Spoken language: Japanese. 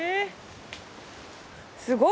すごい！